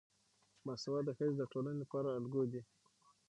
باسواده ښځې د ټولنې لپاره الګو دي.